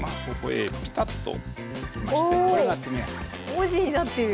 文字になってる！